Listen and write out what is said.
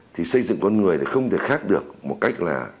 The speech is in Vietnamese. thì xây dựng con người không thể khác được một cách là